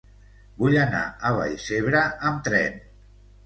Vull anar a Vallcebre amb tren.